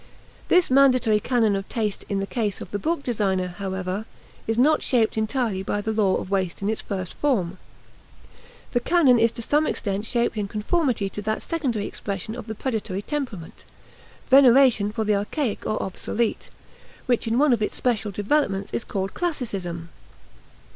This mandatory canon of taste in the case of the book designer, however, is not shaped entirely by the law of waste in its first form; the canon is to some extent shaped in conformity to that secondary expression of the predatory temperament, veneration for the archaic or obsolete, which in one of its special developments is called classicism.